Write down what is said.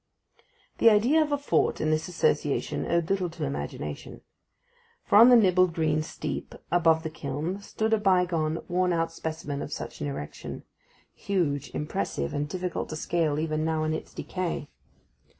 The idea of a fort in this association owed little to imagination. For on the nibbled green steep above the kiln stood a bye gone, worn out specimen of such an erection, huge, impressive, and difficult to scale even now in its decay.